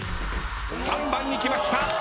３番にきました。